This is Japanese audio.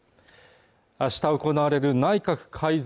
明日行われる内閣改造